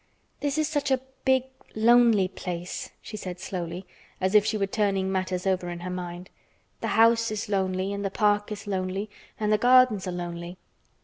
"This is such a big lonely place," she said slowly, as if she were turning matters over in her mind. "The house is lonely, and the park is lonely, and the gardens are lonely.